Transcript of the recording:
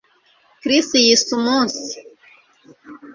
Chris yise umunsi